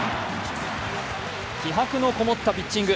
気迫のこもったピッチング。